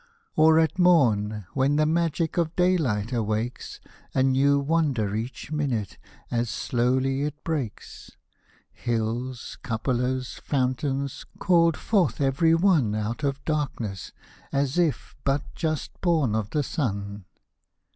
— Or at morn, when the magic of daylight awakes A new wonder each minute, as slowly it breaks, Hills, cupolas, fountains, called forth every one Out of darkness, as if but just born of the Sun.